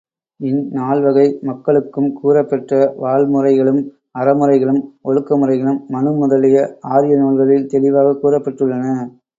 இந்நால்வகை மக்களுக்கும் கூறப்பெற்ற வாழ்முறைகளும், அறமுறைகளும், ஒழுக்க முறைகளும் மனு முதலிய ஆரிய நூல்களில் தெளிவாகக் கூறப்பெற்றுள்ளன.